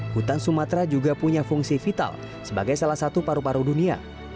hutan sumatera juga punya fungsi vital sebagai salah satu paru paru dunia